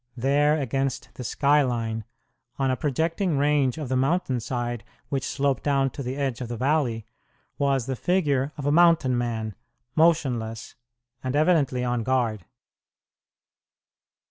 There, against the sky line, on a projecting range of the mountainside which sloped down to the edge of the valley, was the figure of a mountain man, motionless, and evidently on guard.